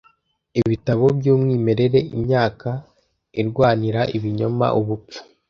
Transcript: Ibitabo byumwimerere imyaka . irwanira ibinyoma ubupfu